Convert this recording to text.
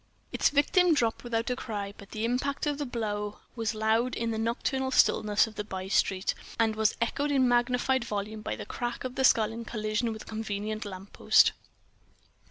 Its victim dropped without a cry, but the impact of the blow was loud in the nocturnal stillness of that bystreet, and was echoed in magnified volume by the crack of a skull in collision with a convenient lamppost.